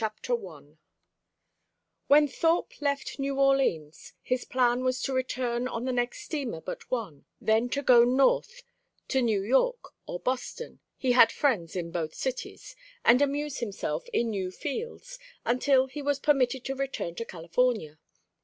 BOOK III I When Thorpe left New Orleans his plan was to return on the next steamer but one, then to go North to New York or Boston, he had friends in both cities, and amuse himself in new fields until he was permitted to return to California.